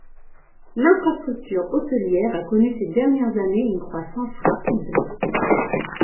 L'infrastructure hôtelière a connu ces dernières années une croissance rapide.